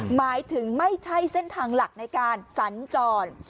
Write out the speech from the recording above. หมายถึงไม่ใช่เส้นทางหลักในการสัญจร